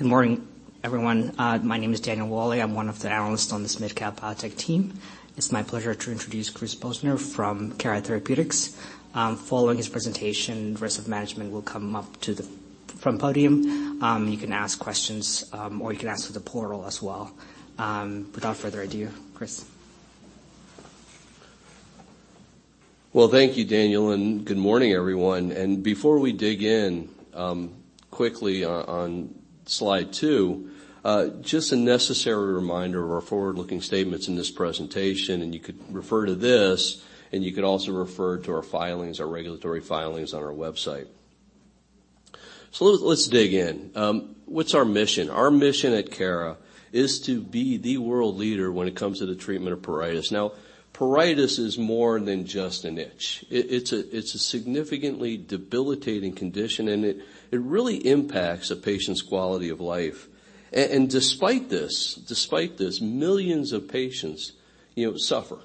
Good morning, everyone. My name is Daniel Faga. I'm one of the analysts on this mid-cap biotech team. It's my pleasure to introduce Chris Posner from Cara Therapeutics. Following his presentation, rest of management will come up to the front podium. You can ask questions, or you can ask through the portal as well. Without further ado, Chris. Well, thank you, Daniel, and good morning, everyone. Before we dig in, quickly on slide two, just a necessary reminder of our forward-looking statements in this presentation, and you could refer to this, and you could also refer to our filings, our regulatory filings on our website. Let's dig in. What's our mission? Our mission at Cara is to be the world leader when it comes to the treatment of pruritus. Pruritus is more than just an itch. It's a significantly debilitating condition, and it really impacts a patient's quality of life. Despite this, despite this, millions of patients, you know, suffer.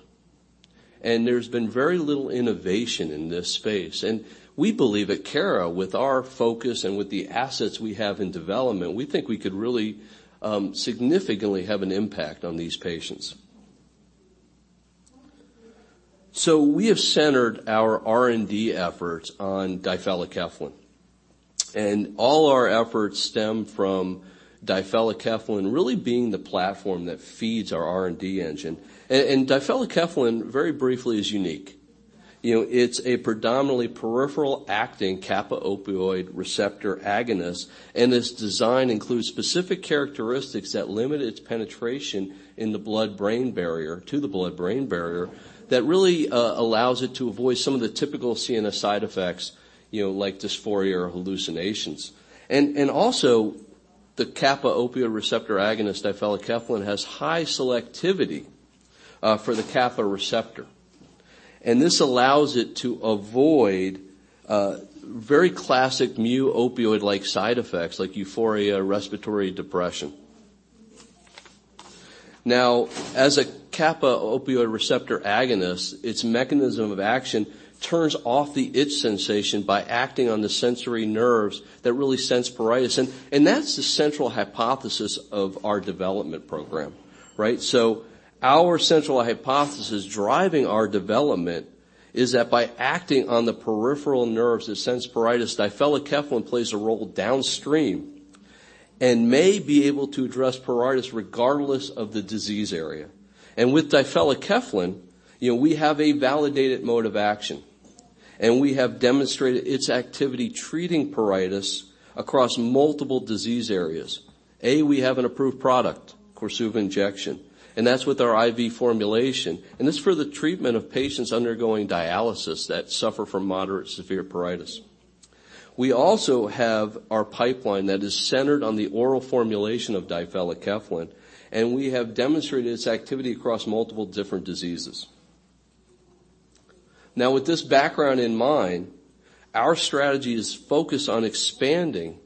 There's been very little innovation in this space. We believe at Cara, with our focus and with the assets we have in development, we think we could really significantly have an impact on these patients. We have centered our R&D efforts on difelikefalin. All our efforts stem from difelikefalin really being the platform that feeds our R&D engine. Difelikefalin, very briefly, is unique. You know, it's a predominantly peripheral-acting kappa opioid receptor agonist, and its design includes specific characteristics that limit its penetration to the blood-brain barrier that really allows it to avoid some of the typical CNS side effects, you know, like dysphoria or hallucinations. Also the kappa opioid receptor agonist, difelikefalin, has high selectivity for the kappa receptor. This allows it to avoid very classic mu-opioid-like side effects like euphoria, respiratory depression. Now, as a kappa opioid receptor agonist, its mechanism of action turns off the itch sensation by acting on the sensory nerves that really sense pruritus. That's the central hypothesis of our development program, right? Our central hypothesis driving our development is that by acting on the peripheral nerves that sense pruritus, difelikefalin plays a role downstream and may be able to address pruritus regardless of the disease area. With difelikefalin, you know, we have a validated mode of action, and we have demonstrated its activity treating pruritus across multiple disease areas. We have an approved product, KORSUVA injection, and that's with our IV formulation. It's for the treatment of patients undergoing dialysis that suffer from moderate severe pruritus. We also have our pipeline that is centered on the oral formulation of difelikefalin, and we have demonstrated its activity across multiple different diseases. Now, with this background in mind, our strategy is focused on expanding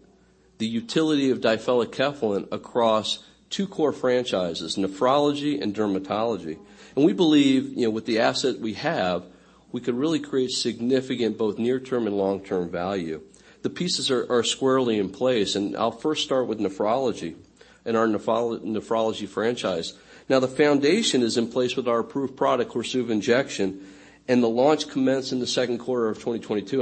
the utility of difelikefalin across two core franchises, nephrology and dermatology. We believe, you know, with the asset we have, we could really create significant both near-term and long-term value. The pieces are squarely in place, and I'll 1st start with nephrology and our nephrology franchise. Now, the foundation is in place with our approved product, Korsuva injection, and the launch commenced in the 2nd quarter of 2022.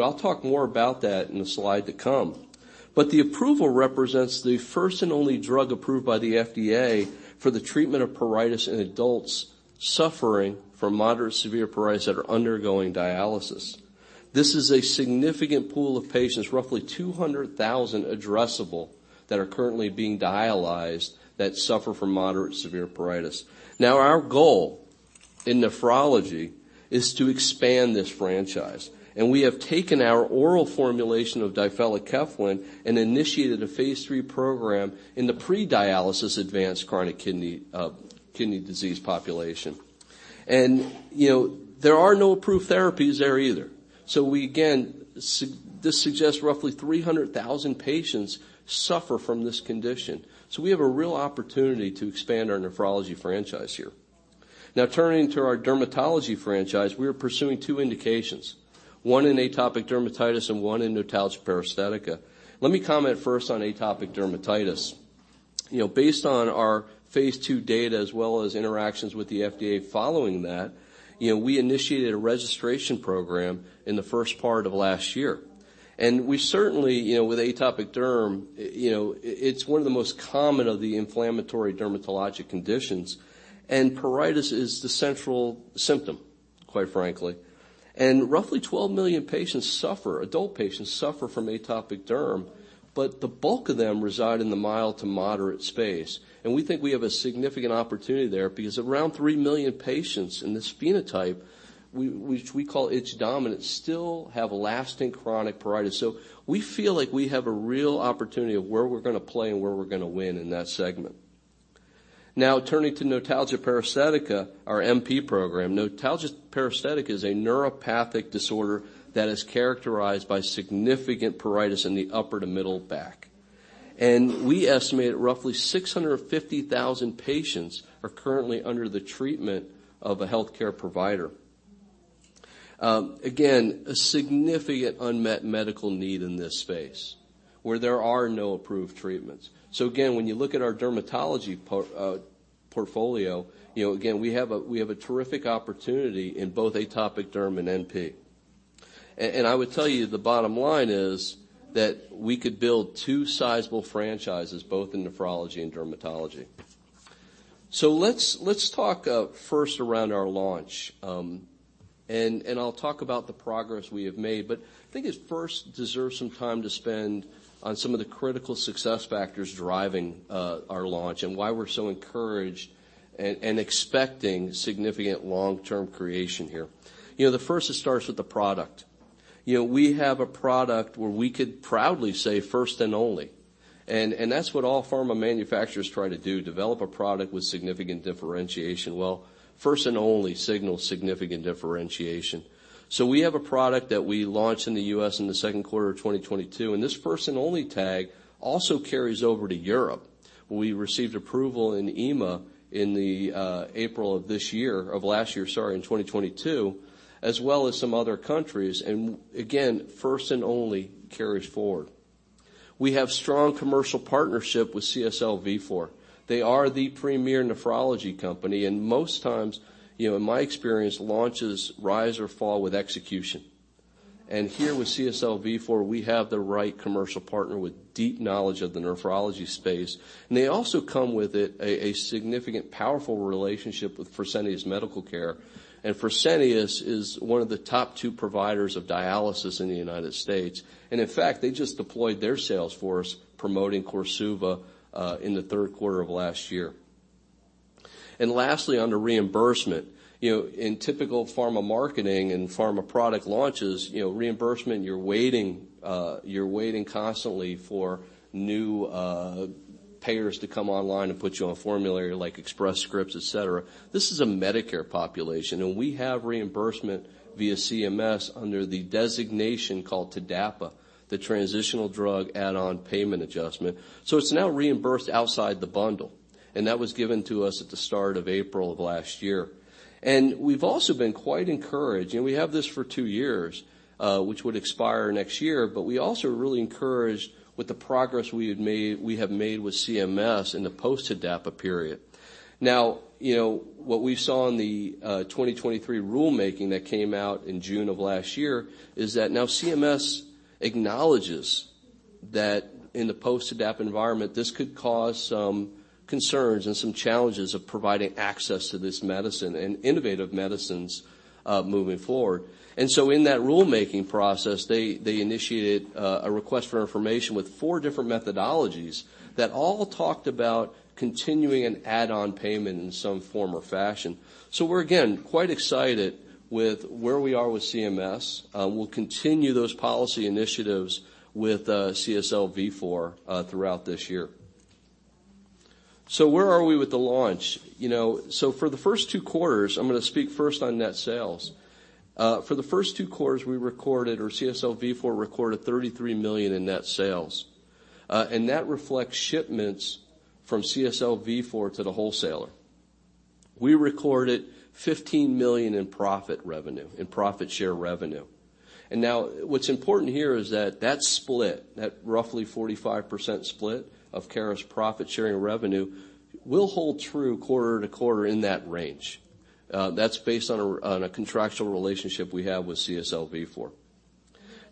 The approval represents the 1st and only drug approved by the FDA for the treatment of pruritus in adults suffering from moderate severe pruritus that are undergoing dialysis. This is a significant pool of patients, roughly 200,000 addressable, that are currently being dialyzed that suffer from moderate severe pruritus. Our goal in nephrology is to expand this franchise, and we have taken our oral formulation of difelikefalin and initiated a phase three program in the pre-dialysis advanced chronic kidney disease population. You know, there are no approved therapies there either. This suggests roughly 300,000 patients suffer from this condition. We have a real opportunity to expand our nephrology franchise here. Turning to our dermatology franchise, we are pursuing two indications, one in atopic dermatitis and one in notalgia paresthetica. Let me comment 1st on atopic dermatitis. You know, based on our phase II data as well as interactions with the FDA following that, you know, we initiated a registration program in the 1st part of last year. We certainly, you know, with atopic derm, you know, it's one of the most common of the inflammatory dermatologic conditions, and pruritus is the central symptom, quite frankly. Roughly 12 million patients suffer, adult patients suffer from atopic derm, but the bulk of them reside in the mild to moderate space. We think we have a significant opportunity there because around 3 million patients in this phenotype, we, which we call itch dominant, still have lasting chronic pruritus. We feel like we have a real opportunity of where we're gonna play and where we're gonna win in that segment. Now, turning to notalgia paresthetica, our NP program. Notalgia paresthetica is a neuropathic disorder that is characterized by significant pruritus in the upper to middle back. We estimate roughly 650,000 patients are currently under the treatment of a healthcare provider. Again, a significant unmet medical need in this space where there are no approved treatments. Again, when you look at our dermatology portfolio, you know, again, we have a terrific opportunity in both atopic dermatitis and notalgia paresthetica. I would tell you the bottom line is that we could build two sizable franchises both in nephrology and dermatology. Let's talk 1st around our launch. I'll talk about the progress we have made. Think it 1st deserves some time to spend on some of the critical success factors driving our launch and why we're so encouraged and expecting significant long-term creation here. You know, the 1st, it starts with the product. You know, we have a product where we could proudly say 1st and only. That's what all pharma manufacturers try to do, develop a product with significant differentiation. Well, 1st and only signals significant differentiation. We have a product that we launched in the U.S. in the 2nd quarter of 2022, and this 1st and only tag also carries over to Europe. We received approval in EMA in April of last year, sorry, in 2022, as well as some other countries. Again, 1st and only carries forward. We have strong commercial partnership with CSL Vifor. They are the premier nephrology company, and most times, you know, in my experience, launches rise or fall with execution. Here with CSL Vifor, we have the right commercial partner with deep knowledge of the nephrology space. They also come with it a significant powerful relationship with Fresenius Medical Care. Fresenius is one of the top two providers of dialysis in the United States. In fact, they just deployed their sales force promoting KORSUVA in the 3rd quarter of last year. Lastly, on the reimbursement, you know, in typical pharma marketing and pharma product launches, you know, reimbursement, you're waiting, you're waiting constantly for new payers to come online and put you on formulary like Express Scripts, et cetera. This is a Medicare population, and we have reimbursement via CMS under the designation called TDAPA, the Transitional Drug Add-on Payment Adjustment. It's now reimbursed outside the bundle. That was given to us at the start of April of last year. We've also been quite encouraged, and we have this for two years, which would expire next year, but we also are really encouraged with the progress we have made with CMS in the post TDAPA period. Now, you know, what we saw in the 2023 rulemaking that came out in June of last year is that now CMS acknowledges that in the post TDAPA environment, this could cause some concerns and some challenges of providing access to this medicine and innovative medicines, moving forward. In that rulemaking process, they initiated a request for information with four different methodologies that all talked about continuing an add-on payment in some form or fashion. We're again, quite excited with where we are with CMS. We'll continue those policy initiatives with CSL Vifor throughout this year. Where are we with the launch? You know, for the 1st two quarters, I'm gonna speak 1st on net sales. For the 1st two quarters, we recorded or CSL Vifor recorded $33 million in net sales. That reflects shipments from CSL Vifor to the wholesaler. We recorded $15 million in profit share revenue. Now what's important here is that that split, that roughly 45% split of Cara profit sharing revenue will hold true quarter to quarter in that range. That's based on a contractual relationship we have with CSL Vifor.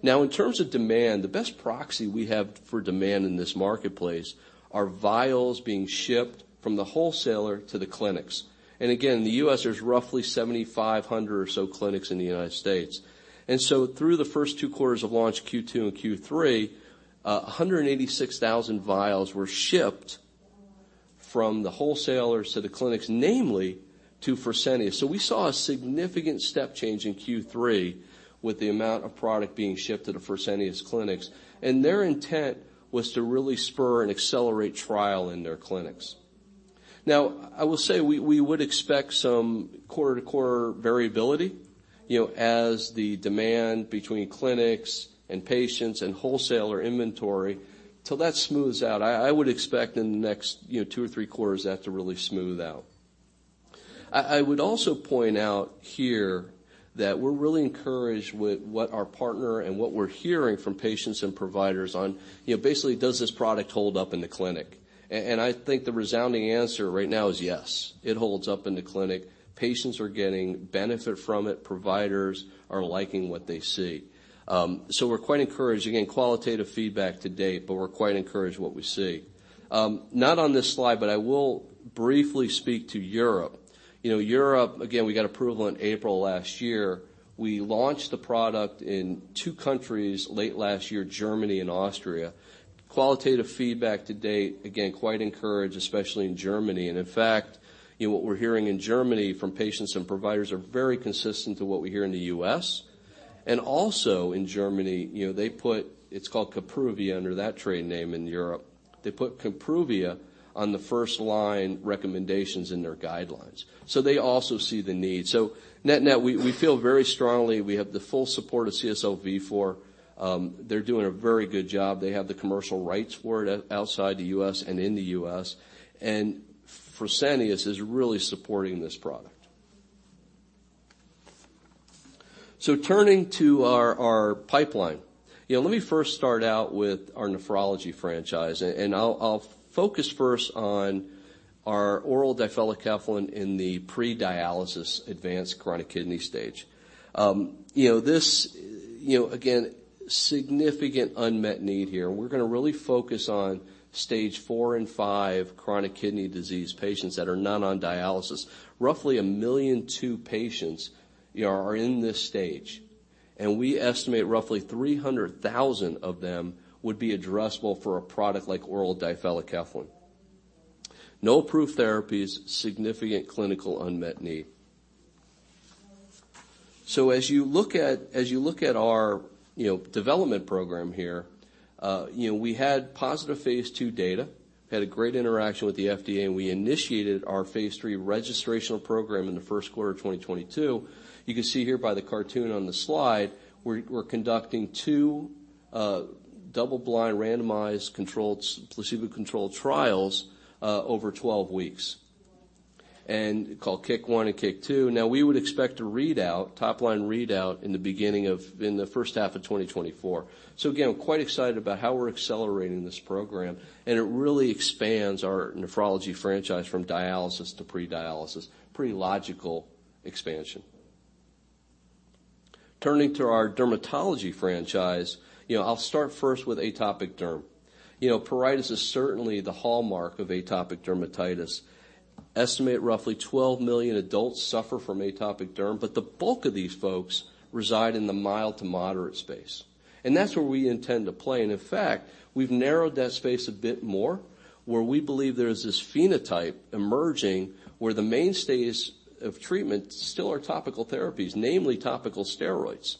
Now, in terms of demand, the best proxy we have for demand in this marketplace are vials being shipped from the wholesaler to the clinics. Again, in the U.S., there's roughly 7,500 or so clinics in the United States. Through the 1st two quarters of launch, Q2 and Q3, 186,000 vials were shipped from the wholesalers to the clinics, namely to Fresenius. We saw a significant step change in Q3 with the amount of product being shipped to the Fresenius clinics, and their intent was to really spur and accelerate trial in their clinics. Now, I will say we would expect some quarter-to-quarter variability, you know, as the demand between clinics and patients and wholesaler inventory till that smooths out. I would expect in the next, you know, two or three quarters, that to really smooth out. I would also point out here that we're really encouraged with what our partner and what we're hearing from patients and providers on, you know, basically, does this product hold up in the clinic? I think the resounding answer right now is yes. It holds up in the clinic. Patients are getting benefit from it. Providers are liking what they see. We're quite encouraged. Again, qualitative feedback to date, but we're quite encouraged what we see. Not on this slide, but I will briefly speak to Europe. You know, Europe, again, we got approval in April last year. We launched the product in two countries late last year, Germany and Austria. Qualitative feedback to date, again, quite encouraged, especially in Germany. In fact, you know, what we're hearing in Germany from patients and providers are very consistent to what we hear in the U.S. Also in Germany, you know, it's called Kapruvia under that trade name in Europe. They put Kapruvia on the 1st-line recommendations in their guidelines. They also see the need. Net net, we feel very strongly, we have the full support of CSL Vifor. They're doing a very good job. They have the commercial rights for it outside the US and in the US. Fresenius is really supporting this product. Turning to our pipeline, you know, let me 1st start out with our nephrology franchise, and I'll focus 1st on our oral difelikefalin in the pre-dialysis advanced chronic kidney stage. You know, again, significant unmet need here. We're gonna really focus on stage four and five chronic kidney disease patients that are not on dialysis. Roughly 1.2 million patients, you know, are in this stage. We estimate roughly 300,000 of them would be addressable for a product like oral difelikefalin. No approved therapies, significant clinical unmet need. As you look at our, you know, development program here, you know, we had positive phase II data, had a great interaction with the FDA, and we initiated our phase III registrational program in the 1st quarter of 2022. You can see here by the cartoon on the slide, we're conducting two double-blind randomized placebo-controlled trials over 12 weeks, called KICK 1 and KICK 2. We would expect a readout, top-line readout in the 1st half of 2024. Again, quite excited about how we're accelerating this program, and it really expands our nephrology franchise from dialysis to pre-dialysis. Pretty logical expansion. Turning to our dermatology franchise, you know, I'll start 1st with atopic derm. You know, pruritus is certainly the hallmark of atopic dermatitis. Estimate roughly 12 million adults suffer from atopic derm. The bulk of these folks reside in the mild to moderate space. That's where we intend to play. In fact, we've narrowed that space a bit more where we believe there's this phenotype emerging where the mainstays of treatment still are topical therapies, namely topical steroids.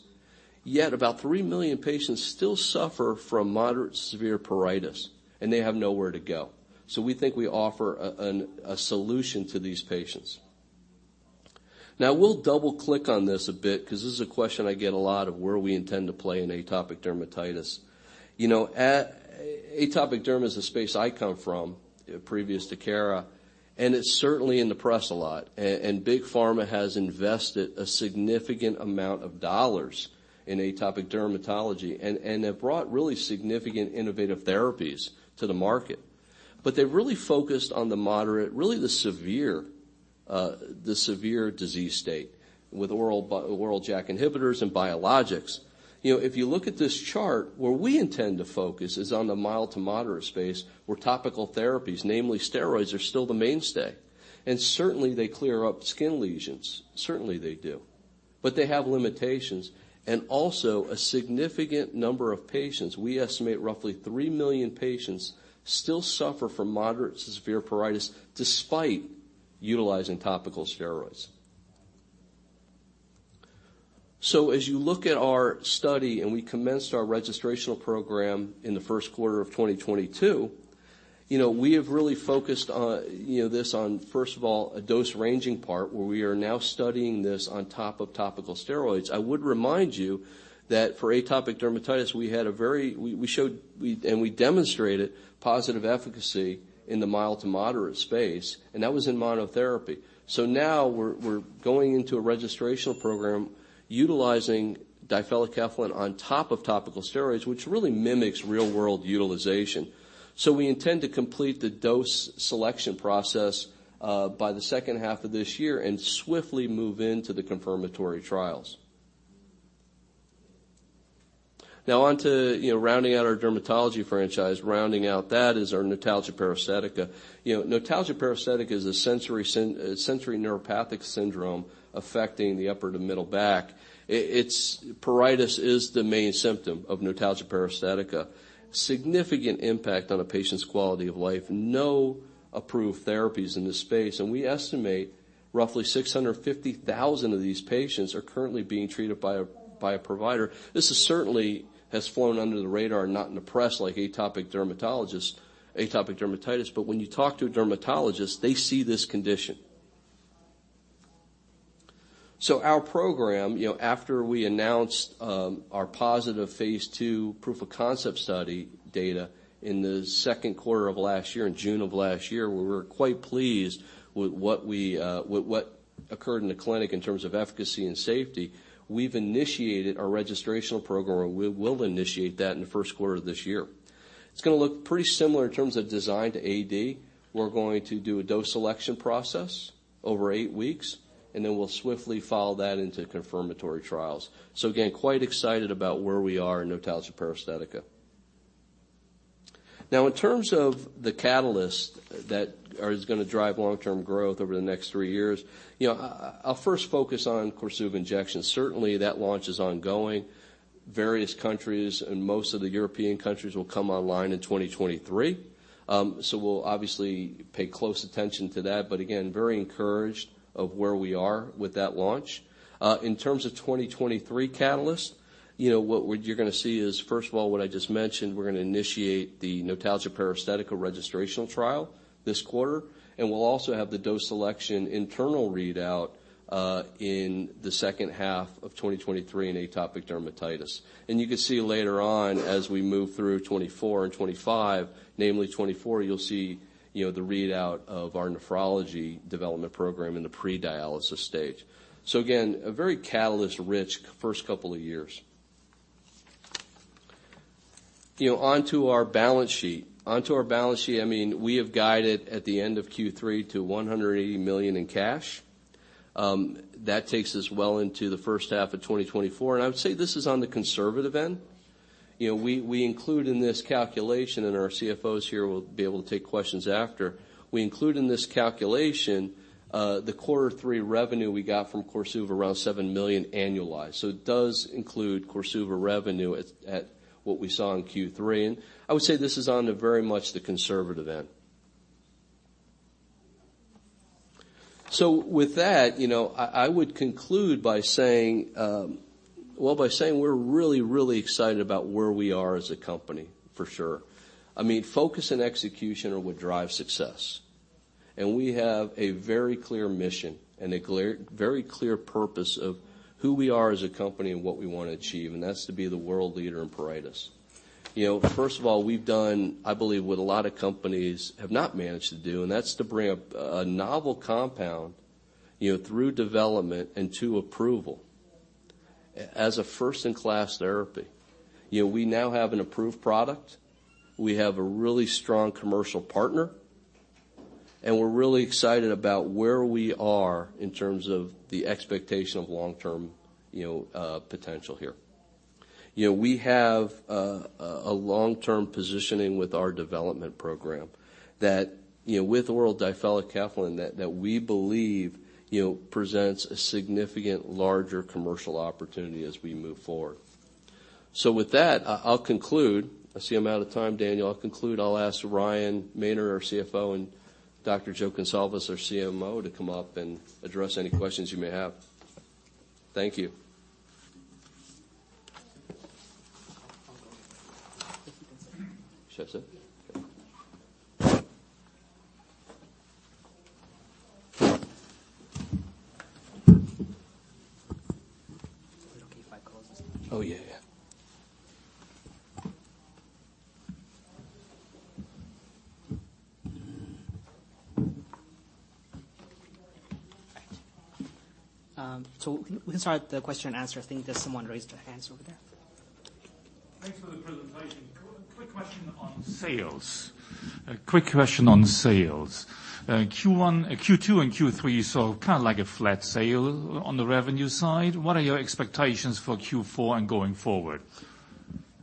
Yet about 3 million patients still suffer from moderate to severe pruritus. They have nowhere to go. We think we offer a solution to these patients. Now we'll double-click on this a bit 'cause this is a question I get a lot of where we intend to play in atopic dermatitis. You know, atopic derm is the space I come from, previous to Cara. It's certainly in the press a lot. Big pharma has invested a significant amount of dollars in atopic dermatitis and have brought really significant innovative therapies to the market. They really focused on the moderate, the severe disease state with oral JAK inhibitors and biologics. You know, if you look at this chart, where we intend to focus is on the mild to moderate space, where topical therapies, namely steroids, are still the mainstay. Certainly, they clear up skin lesions. Certainly, they do. They have limitations and also a significant number of patients, we estimate roughly 3 million patients still suffer from moderate to severe pruritus despite utilizing topical steroids. As you look at our study, and we commenced our registrational program in the 1st quarter of 2022, we have really focused on, 1st of all, a dose-ranging part where we are now studying this on top of topical steroids. I would remind you that for atopic dermatitis, we showed and we demonstrated positive efficacy in the mild to moderate space, and that was in monotherapy. Now we're going into a registrational program utilizing difelikefalin on top of topical steroids, which really mimics real-world utilization. We intend to complete the dose selection process by the 2nd half of this year and swiftly move into the confirmatory trials. Now on to rounding out our dermatology franchise. Rounding out that is our notalgia paresthetica. You know, notalgia paresthetica is a sensory neuropathic syndrome affecting the upper to middle back. It's pruritus is the main symptom of notalgia paresthetica. Significant impact on a patient's quality of life, no approved therapies in this space, and we estimate roughly 650,000 of these patients are currently being treated by a provider. This is certainly has flown under the radar, not in the press like atopic dermatitis, but when you talk to a dermatologist, they see this condition. Our program, you know, after we announced our positive phase II proof-of-concept study data in the 2nd quarter of last year, in June of last year, where we were quite pleased with what we with what occurred in the clinic in terms of efficacy and safety, we've initiated our registrational program, or we will initiate that in the 1st quarter of this year. It's going to look pretty similar in terms of design to AD. We're going to do a dose selection process over eight weeks, and then we'll swiftly follow that into confirmatory trials. Again, quite excited about where we are in notalgia paresthetica. Now, in terms of the catalyst that is going to drive long-term growth over the next three years, you know, I'll 1st focus on KORSUVA injections. Certainly, that launch is ongoing. Various countries, most of the European countries will come online in 2023. We'll obviously pay close attention to that, but again, very encouraged of where we are with that launch. In terms of 2023 catalyst, you know, you're gonna see is, 1st of all, what I just mentioned, we're gonna initiate the notalgia paresthetica registrational trial this quarter. We'll also have the dose selection internal readout in the 2nd half of 2023 in atopic dermatitis. You can see later on as we move through 2024 and 2025, namely 2024, you'll see, you know, the readout of our nephrology development program in the pre-dialysis stage. Again, a very catalyst-rich 1st couple of years. You know, onto our balance sheet. Onto our balance sheet, I mean, we have guided at the end of Q3 to $180 million in cash. That takes us well into the 1st half of 2024, I would say this is on the conservative end. You know, we include in this calculation, our CFO is here, will be able to take questions after. We include in this calculation, the quarter three revenue we got from KORSUVA around $7 million annualized. It does include KORSUVA revenue at what we saw in Q3. I would say this is on the very much the conservative end. With that, you know, I would conclude by saying, well by saying we're really, really excited about where we are as a company, for sure. I mean, focus and execution are what drive success. We have a very clear mission and a clear, very clear purpose of who we are as a company and what we wanna achieve, and that's to be the world leader in pruritus. You know, 1st of all, we've done, I believe what a lot of companies have not managed to do, and that's to bring a novel compound, you know, through development into approval as a 1st-in-class therapy. You know, we now have an approved product. We have a really strong commercial partner, and we're really excited about where we are in terms of the expectation of long-term, you know, potential here. You know, we have a long-term positioning with our development program that, you know, with oral difelikefalin that we believe, you know, presents a significant larger commercial opportunity as we move forward. With that, I'll conclude. I see I'm out of time, Daniel. I'll conclude. I'll ask Ryan Maynard, our CFO, and Dr. Jo Gonsalves, our CMO, to come up and address any questions you may have. Thank you. Should I sit? Oh, yeah. All right. We can start the question and answer. I think there's someone raised their hands over there. Thanks for the presentation. Quick question on sales. Q1, Q2, and Q3, you saw kind of like a flat sale on the revenue side. What are your expectations for Q4 and going forward?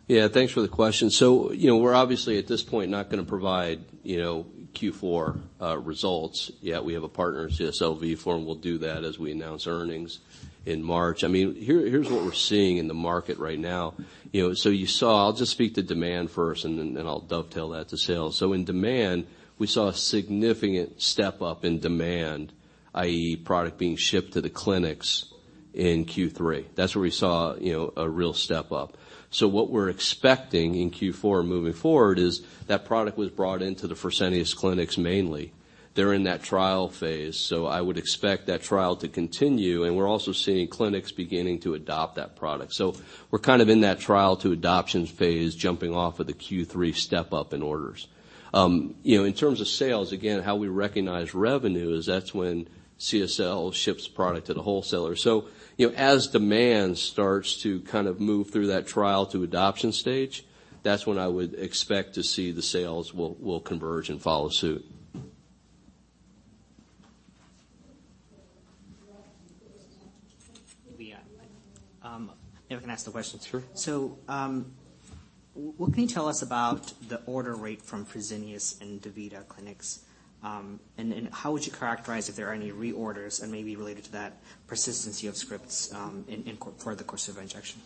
Yeah, thanks for the question. you know, we're obviously, at this point, not gonna provide, you know, Q4 results yet. We have a partner in CSL Vifor, and we'll do that as we announce earnings in March. I mean, here's what we're seeing in the market right now. You know, I'll just speak to demand 1st and then I'll dovetail that to sales. In demand, we saw a significant step-up in demand, i.e., product being shipped to the clinics in Q3. That's where we saw, you know, a real step up. What we're expecting in Q4 moving forward is that product was brought into the Fresenius clinics mainly. They're in that trial phase, I would expect that trial to continue, and we're also seeing clinics beginning to adopt that product. We're kind of in that trial to adoptions phase, jumping off of the Q3 step up in orders. You know, in terms of sales, again, how we recognize revenue is that's when CSL ships product to the wholesaler. You know, as demand starts to kind of move through that trial to adoption stage, that's when I would expect to see the sales will converge and follow suit. Yeah. If I can ask the question? Sure. What can you tell us about the order rate from Fresenius and DaVita clinics? How would you characterize if there are any reorders and maybe related to that persistency of scripts, in for the course of injection?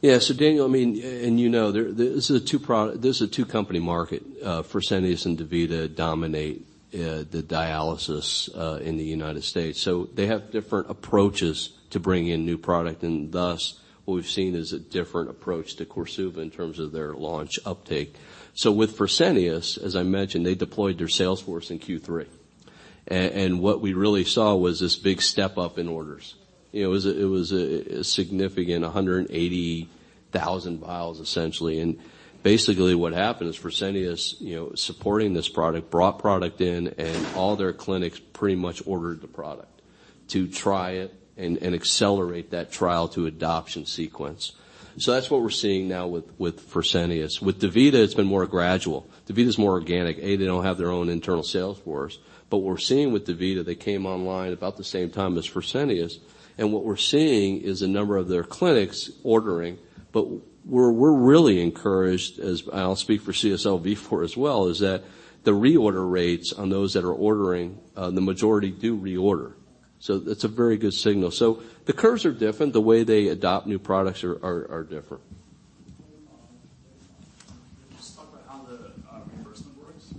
Yeah. Daniel, I mean, and you know, there, this is a two company market. Fresenius and DaVita dominate the dialysis in the United States. They have different approaches to bring in new product, and thus, what we've seen is a different approach to KORSUVA in terms of their launch uptake. With Fresenius, as I mentioned, they deployed their sales force in Q3. And what we really saw was this big step up in orders. You know, it was a significant 180,000 vials, essentially. Basically, what happened is Fresenius, you know, supporting this product, brought product in, and all their clinics pretty much ordered the product to try it and accelerate that trial to adoption sequence. That's what we're seeing now with Fresenius. With DaVita, it's been more gradual. DaVita is more organic. They don't have their own internal sales force. We're seeing with DaVita, they came online about the same time as Fresenius, and what we're seeing is a number of their clinics ordering. We're really encouraged, as I'll speak for CSL Vifor as well, is that the reorder rates on those that are ordering, the majority do reorder. It's a very good signal. The curves are different. The way they adopt new products are different. Can you just talk about how the reimbursement works?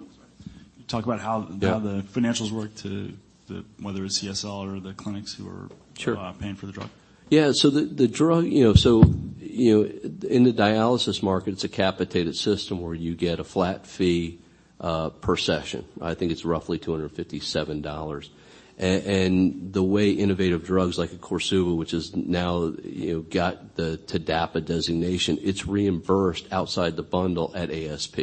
Oh, sorry. Talk about. Yeah. the financials work to the... whether it's CSL or the clinics who are- Sure. Paying for the drug. Yeah. The drug, you know. You know, in the dialysis market, it's a capitated system where you get a flat fee per session. I think it's roughly $257. And the way innovative drugs like KORSUVA, which is now, you know, got the TDAPA designation, it's reimbursed outside the bundle at ASP.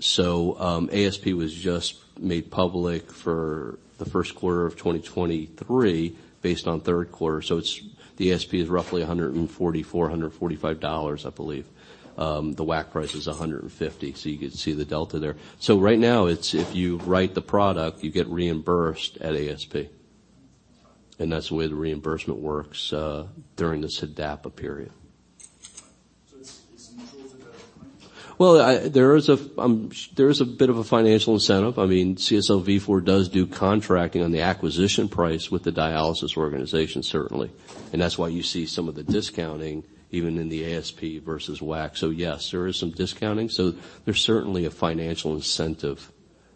ASP was just made public for the 1st quarter of 2023 based on 3rd quarter. The ASP is roughly $144-$145, I believe. The WAC price is $150, you could see the delta there. Right now it's if you write the product, you get reimbursed at ASP. That's the way the reimbursement works during this TDAPA period. Well, I mean, CSL Vifor does do contracting on the acquisition price with the dialysis organization, certainly. That's why you see some of the discounting even in the ASP versus WAC. Yes, there is some discounting. There's certainly a financial incentive,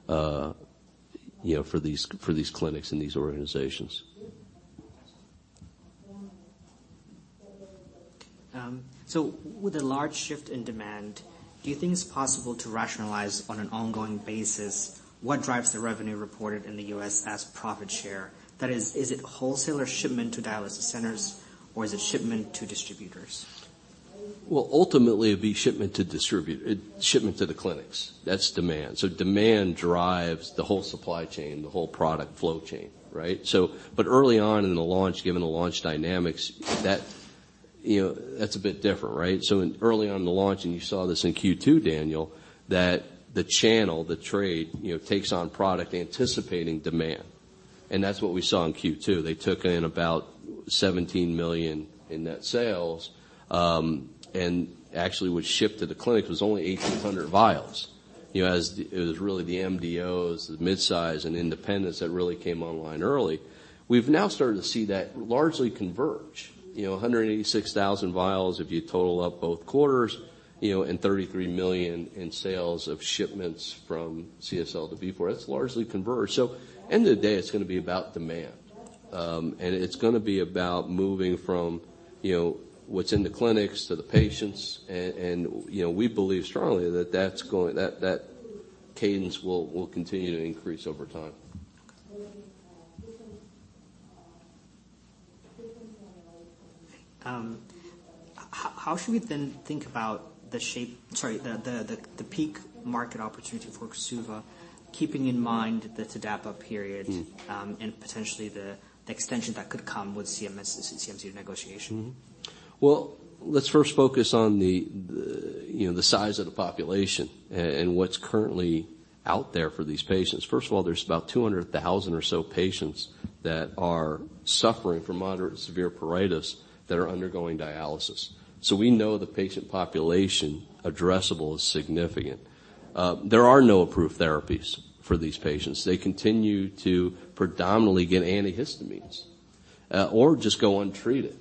you know, for these, for these clinics and these organizations. With a large shift in demand, do you think it's possible to rationalize on an ongoing basis what drives the revenue reported in the U.S. as profit share? That is it wholesaler shipment to dialysis centers, or is it shipment to distributors? Ultimately it'd be shipment to the clinics. That's demand. Demand drives the whole supply chain, the whole product flow chain, right? Early on in the launch, given the launch dynamics, that, you know, that's a bit different, right? In early on in the launch, and you saw this in Q2, Daniel, that the channel, the trade, you know, takes on product anticipating demand. That's what we saw in Q2. They took in about $17 million in net sales, and actually what shipped to the clinic was only 1,800 vials. You know, as it was really the MDOs, the midsize and independents that really came online early. We've now started to see that largely converge. You know, 186,000 vials, if you total up both quarters, you know, and $33 million in sales of shipments from CSL to Vifor, that's largely converged. End of the day, it's gonna be about demand. And it's gonna be about moving from, you know, what's in the clinics to the patients and, you know, we believe strongly that that cadence will continue to increase over time. How should we then think about the shape sorry, the peak market opportunity for KORSUVA, keeping in mind the TDAPA period. Mm-hmm. Potentially the extension that could come with CMS's CMMI negotiation? Let's 1st focus on the, you know, the size of the population and what's currently out there for these patients. First of all, there's about 200,000 or so patients that are suffering from moderate to severe pruritus that are undergoing dialysis. We know the patient population addressable is significant. There are no approved therapies for these patients. They continue to predominantly get antihistamines, or just go untreated.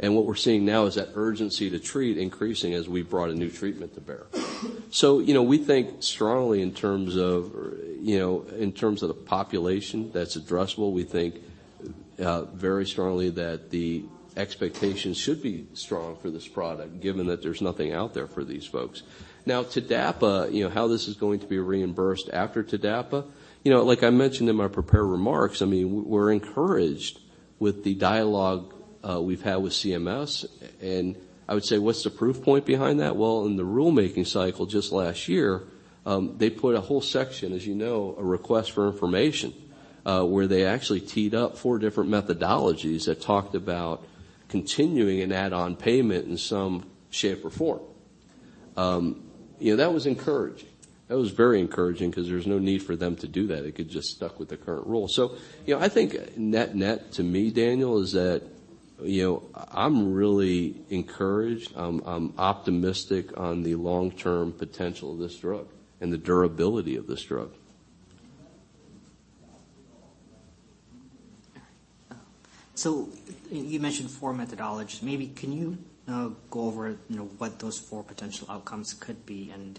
What we're seeing now is that urgency to treat increasing as we've brought a new treatment to bear. You know, we think strongly in terms of, you know, in terms of the population that's addressable. We think very strongly that the expectations should be strong for this product, given that there's nothing out there for these folks. Now, TDAPA, you know, how this is going to be reimbursed after TDAPA, you know, like I mentioned in my prepared remarks, I mean, we're encouraged with the dialogue we've had with CMS. I would say, what's the proof point behind that? Well, in the rulemaking cycle just last year, they put a whole section, as you know, a request for information, where they actually teed up four different methodologies that talked about continuing an add-on payment in some shape or form. You know, that was encouraging. That was very encouraging because there's no need for them to do that. They could've just stuck with the current rule. You know, I think net-net to me, Daniel, is that, you know, I'm really encouraged. I'm optimistic on the long-term potential of this drug and the durability of this drug. You mentioned four methodologies. Maybe can you go over, you know, what those four potential outcomes could be, and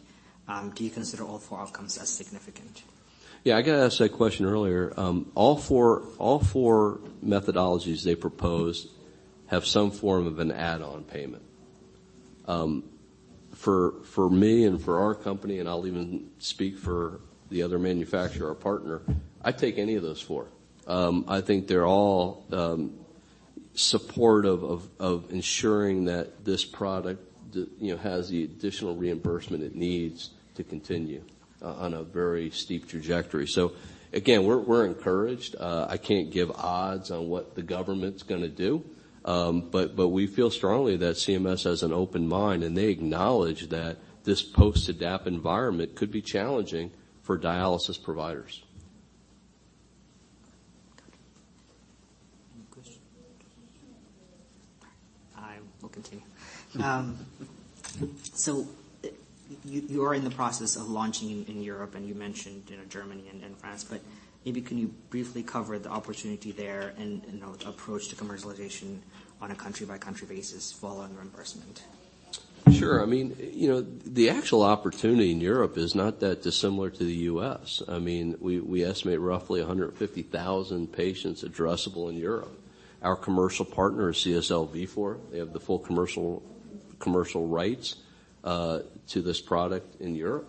do you consider all four outcomes as significant? Yeah. I got asked that question earlier. All four methodologies they proposed have some form of an add-on payment. For me and for our company, and I'll even speak for the other manufacturer or partner, I'd take any of those four. I think they're all supportive of ensuring that this product, you know, has the additional reimbursement it needs to continue on a very steep trajectory. Again, we're encouraged. I can't give odds on what the government's gonna do. We feel strongly that CMS has an open mind, and they acknowledge that this post-TDAPA environment could be challenging for dialysis providers. Any questions? I will continue. You are in the process of launching in Europe, and you mentioned, you know, Germany and France, but maybe can you briefly cover the opportunity there and, you know, approach to commercialization on a country-by-country basis following reimbursement? Sure. I mean, you know, the actual opportunity in Europe is not that dissimilar to the U.S. I mean, we estimate roughly 150,000 patients addressable in Europe. Our commercial partner is CSL Vifor. They have the full commercial rights to this product in Europe.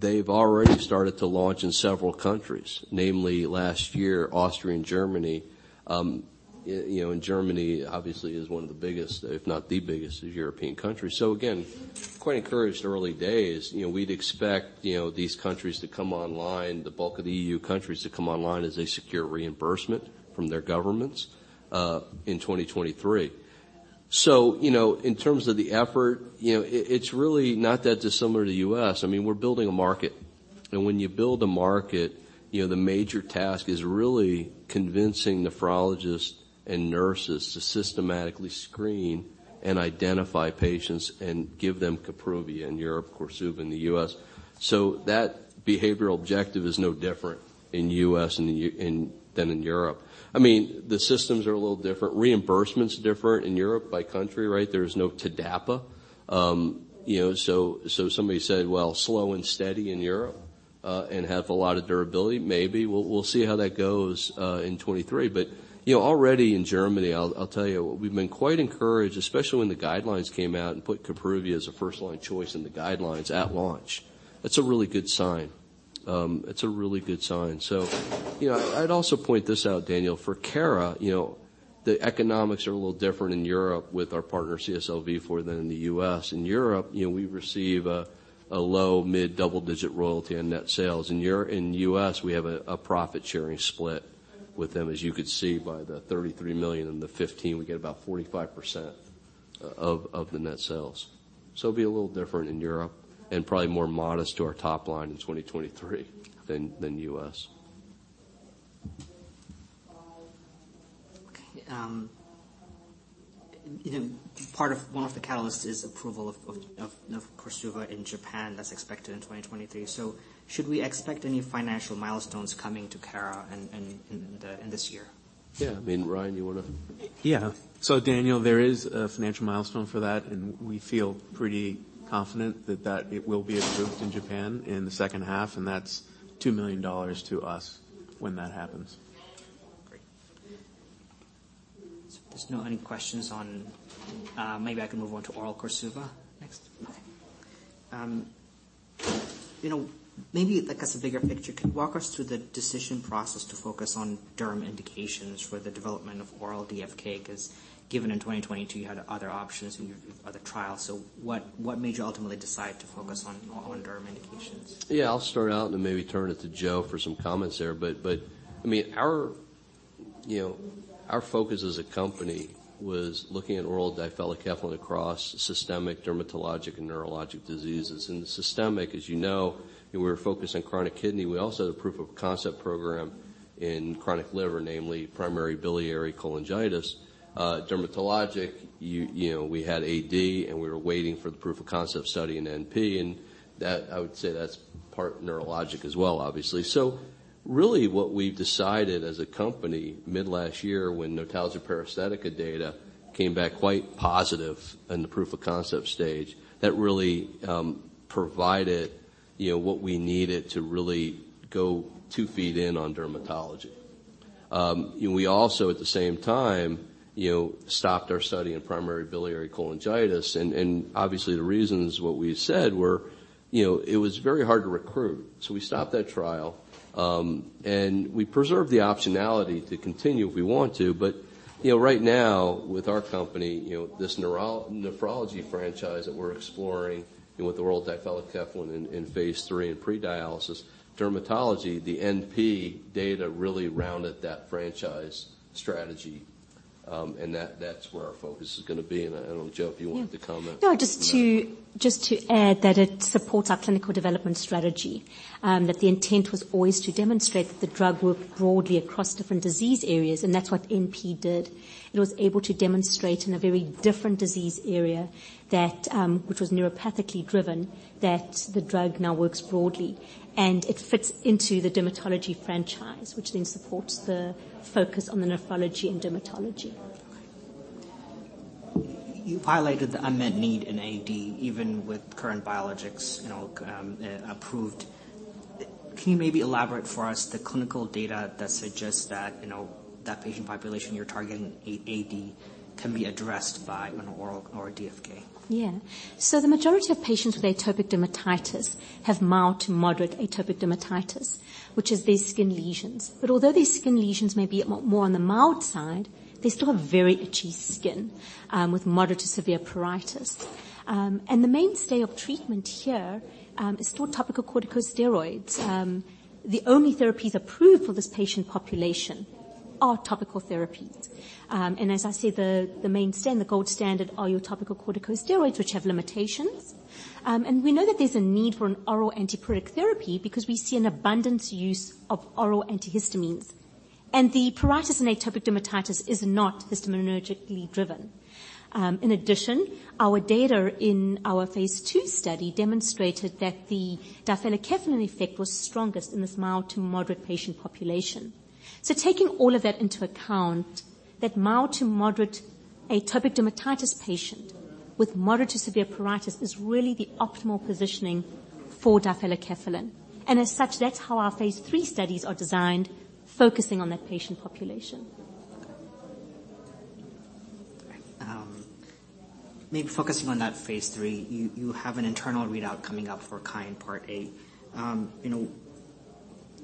They've already started to launch in several countries, namely last year, Austria and Germany. You know, and Germany obviously is one of the biggest, if not the biggest European country. Again, quite encouraged, early days. You know, we'd expect, you know, these countries to come online, the bulk of the EU countries to come online as they secure reimbursement from their governments, in 2023. You know, in terms of the effort, you know, it's really not that dissimilar to the U.S. I mean, we're building a market, and when you build a market, you know, the major task is really convincing nephrologists and nurses to systematically screen and identify patients and give them Kapruvia in Europe, KORSUVA in the U.S. That behavioral objective is no different in U.S. than in Europe. I mean, the systems are a little different. Reimbursement's different in Europe by country, right? There's no TDAPA. You know, so somebody said, "Well, slow and steady in Europe and have a lot of durability." Maybe. We'll see how that goes in 2023. You know, already in Germany, I'll tell you, we've been quite encouraged, especially when the guidelines came out and put Kapruvia as a 1st-line choice in the guidelines at launch. That's a really good sign. That's a really good sign. You know, I'd also point this out, Daniel. For Cara, you know, the economics are a little different in Europe with our partner CSL Vifor more than in the U.S. In Europe, you know, we receive a low mid-double-digit royalty on net sales. In U.S., we have a profit-sharing split with them, as you could see by the $33 million and the $15 million, we get about 45% of the net sales. It'll be a little different in Europe and probably more modest to our top line in 2023 than U.S. Okay. One of the catalysts is approval of KORSUVA in Japan that's expected in 2023. Should we expect any financial milestones coming to Cara in this year? Yeah. I mean, Ryan... yeah. Daniel, there is a financial milestone for that, and we feel pretty confident that it will be approved in Japan in the 2nd half, and that's $2 million to us when that happens. Great. If there's no any questions on, Maybe I can move on to oral KORSUVA next. Okay. you know, maybe, like, as a bigger picture, can you walk us through the decision process to focus on derm indications for the development of oral DFK? Given in 2022, you had other options and other trials. What made you ultimately decide to focus on derm indications? Yeah. I'll start out and maybe turn it to Jo for some comments there. I mean, our, you know, our focus as a company was looking at oral difelikefalin across systemic dermatologic and neurologic diseases. In the systemic, as you know, we were focused on chronic kidney. We also had a proof of concept program in chronic liver, namely primary biliary cholangitis. Dermatologic, you know, we had AD, and we were waiting for the proof of concept study in NP. I would say that's part neurologic as well, obviously. Really, what we've decided as a company mid-last year when notalgia paresthetica data came back quite positive in the proof of concept stage, that really provided, you know, what we needed to really go two feet in on dermatology. We also at the same time, you know, stopped our study in primary biliary cholangitis and obviously the reason is what we had said were, you know, it was very hard to recruit. We stopped that trial, and we preserved the optionality to continue if we want to. You know, right now with our company, you know, this nephrology franchise that we're exploring, you know, with the oral difelikefalin in phase three in pre-dialysis, dermatology, the NP data really rounded that franchise strategy, and that's where our focus is gonna be. I don't know, Jo, if you wanted to comment on that. No, just to add that it supports our clinical development strategy. That the intent was always to demonstrate that the drug worked broadly across different disease areas, and that's what NP did. It was able to demonstrate in a very different disease area that, which was neuropathically driven, that the drug now works broadly. It fits into the dermatology franchise, which then supports the focus on the nephrology and dermatology. You highlighted the unmet need in AD, even with current biologics, you know, approved. Can you maybe elaborate for us the clinical data that suggests that, you know, that patient population you're targeting, AD, can be addressed by an oral or a DFK? The majority of patients with atopic dermatitis have mild to moderate atopic dermatitis, which is these skin lesions. Although these skin lesions may be more on the mild side, they still have very itchy skin, with moderate to severe pruritus. The mainstay of treatment here is still topical corticosteroids. The only therapies approved for this patient population are topical therapies. As I said, the mainstay and the gold standard are your topical corticosteroids, which have limitations. We know that there's a need for an oral antipruritic therapy because we see an abundant use of oral antihistamines. The pruritus in atopic dermatitis is not histaminergically driven. In addition, our data in our phase II study demonstrated that the difelikefalin effect was strongest in this mild to moderate patient population. Taking all of that into account, that mild to moderate atopic dermatitis patient with moderate to severe pruritus is really the optimal positioning for difelikefalin. As such, that's how our phase III studies are designed, focusing on that patient population. Maybe focusing on that phase III, you have an internal readout coming up for KICK 1 Part A. You know,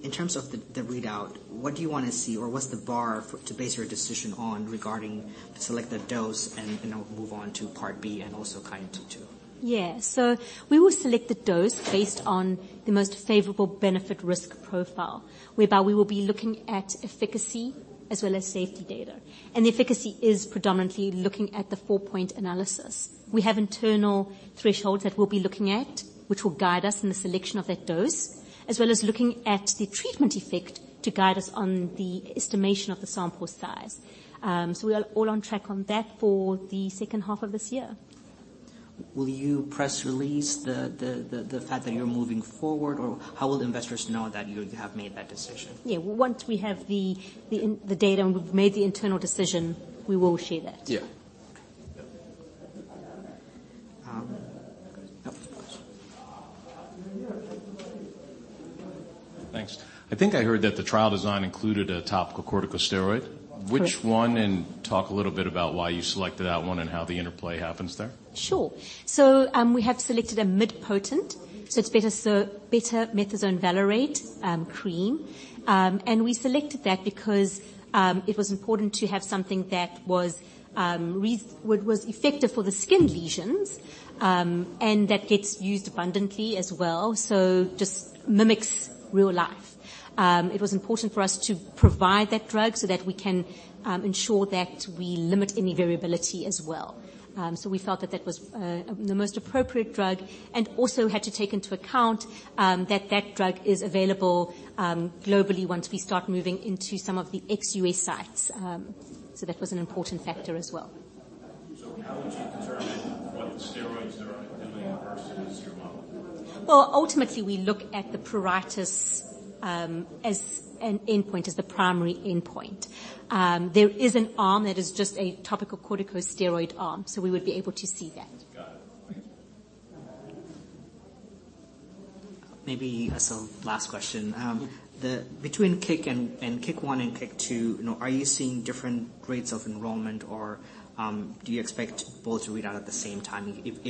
in terms of the readout, what do you wanna see? What's the bar to base your decision on regarding the selected dose and, you know, move on to Part B and also KICK 2? We will select the dose based on the most favorable benefit risk profile, whereby we will be looking at efficacy as well as safety data. The efficacy is predominantly looking at the four-point analysis. We have internal thresholds that we'll be looking at, which will guide us in the selection of that dose, as well as looking at the treatment effect to guide us on the estimation of the sample size. We are all on track on that for the 2nd half of this year. Will you press release the fact that you're moving forward, or how will the investors know that you have made that decision? Yeah. Once we have the data and we've made the internal decision, we will share that. Yeah. Okay. yep. Thanks. I think I heard that the trial design included a topical corticosteroid. Correct. Which one, talk a little bit about why you selected that one and how the interplay happens there. Sure. We have selected a mid-potent, it's betamethasone valerate cream. We selected that because it was important to have something that was effective for the skin lesions and that gets used abundantly as well, so just mimics real life. It was important for us to provide that drug so that we can ensure that we limit any variability as well. We felt that that was the most appropriate drug, and also had to take into account that that drug is available globally once we start moving into some of the ex-U.S. sites. That was an important factor as well. How would you determine what the steroids are doing versus your model? Ultimately, we look at the pruritus, as an endpoint, as the primary endpoint. There is an arm that is just a topical corticosteroid arm, so we would be able to see that. Got it. Thank you. Maybe as a last question. Mm-hmm. Between kick and KICK 1 and KICK 2, you know, are you seeing different rates of enrollment or, do you expect both to read out at the same time if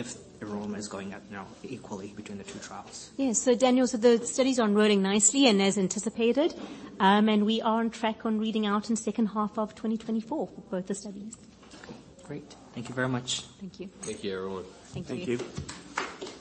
enrollment is going up, you know, equally between the two trials? Yes. Daniel, so the studies are enrolling nicely and as anticipated. We are on track on reading out in 2nd half of 2024 for both the studies. Okay, great. Thank you very much. Thank you. Thank you, everyone. Thank you. Thank you.